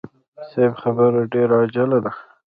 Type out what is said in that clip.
صيب خبره ډېره عاجله ده.